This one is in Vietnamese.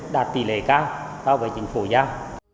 đạt tỷ lệ cao so với chính phủ giao